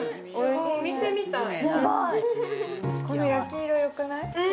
この焼き色よくない？